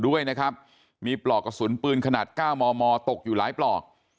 ด้วยนะครับมีปลอกกระสุนปืนขนาด๙มมตกอยู่หลายปลอก